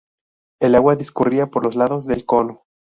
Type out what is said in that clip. El agua discurría por los lados del cono.